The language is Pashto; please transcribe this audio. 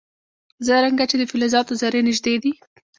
څرنګه چې د فلزاتو ذرې نژدې دي.